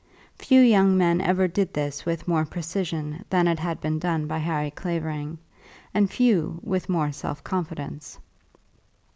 Few young men ever did this with more precision than it had been done by Harry Clavering, and few with more self confidence.